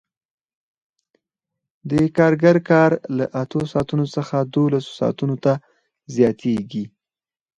د کارګر کار له اتو ساعتونو څخه دولسو ساعتونو ته زیاتېږي